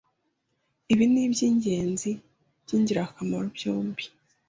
Ibi nibyingenzi byingirakamaro byombi.